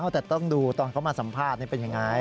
แต่ต้องดูตอนเขามาสัมภาษณ์เป็นยังไง